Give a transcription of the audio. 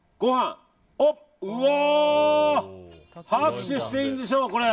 拍手していいでしょう、これ。